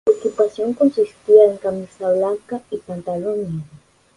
Su equipación consistía en camisa blanca y pantalón negro.